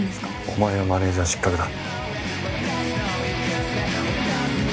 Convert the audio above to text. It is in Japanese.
お前はマネージャー失格だ。